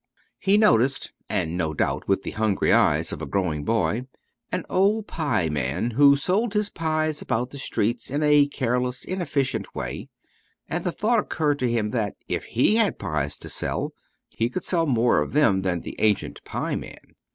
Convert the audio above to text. He noticed, and no doubt with the hungry eyes of a growing boy, an old pie man, who sold his pies about the streets in a careless, inefficient way, and the thought occurred to him that, if he had pies to sell, he could sell more of them than the ancient pie man.